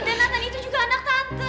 dan nathan itu juga anak tante